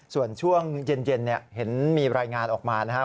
ส่วนช่วงเย็นเนี่ยเห็นมีรายงานออกมานะฮะ